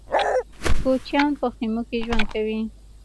کوچيان په خيمو کې ژوند کوي.